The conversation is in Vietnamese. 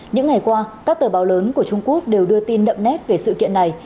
những ngày qua các tờ báo lớn của trung quốc đều đưa tin đậm nét về sự kiện này